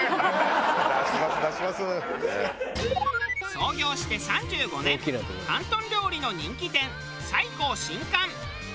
創業して３５年広東料理の人気店菜香新館。